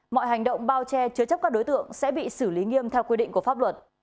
mọi hành động bao che chứa chấp các đối tượng sẽ bị xử lý nghiêm theo quy định của pháp luật